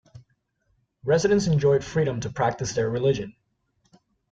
Residents enjoyed freedom to practice their religion.